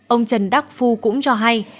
ông trần đắc phu cũng cho hay